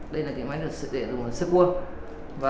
đây là máy để dùng sức quốc